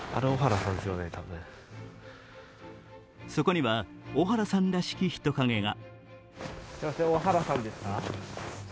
そこには小原さんらしき人影が。